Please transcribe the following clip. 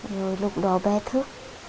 rồi lúc đó bé thức